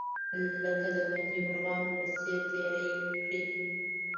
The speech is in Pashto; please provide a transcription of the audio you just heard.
لکه د بندي مرغانو په څیر تیرې کړې.